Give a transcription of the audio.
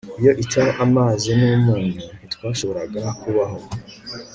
Iyo itaba amazi numunyu ntitwashoboraga kubaho